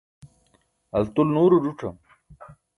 altul nuuro ẓuc̣am